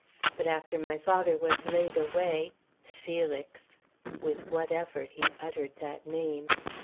But after my father was laid away, Felix" (with what effort he uttered that name!)